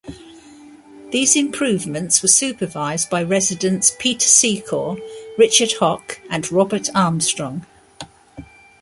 These improvements were supervised by residents Peter Secor, Richard Houck and Robert Armstrong.